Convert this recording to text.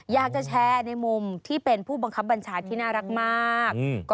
อยากจะแชร์ในมุมที่เป็นผู้บังคับบัญชาที่น่ารักมาก